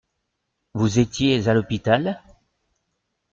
Vous étiez à l’hôpital ?